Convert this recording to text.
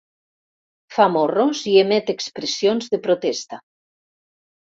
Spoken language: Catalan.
Fa morros i emet expressions de protesta.